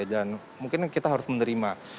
dan mungkin kita harus menerima